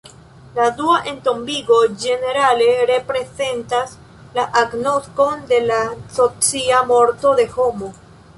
La dua entombigo, ĝenerale, reprezentas la agnoskon de la socia morto de homo.